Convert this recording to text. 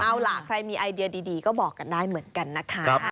เอาล่ะใครมีไอเดียดีก็บอกกันได้เหมือนกันนะคะ